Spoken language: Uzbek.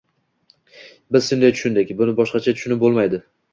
Biz shunday tushundik, buni boshqacha tushunib bo‘lmaydi.